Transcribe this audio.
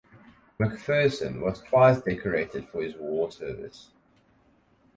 McPherson was twice decorated for his war service.